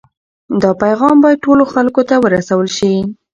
دا پیغام باید ټولو خلکو ته ورسول شي.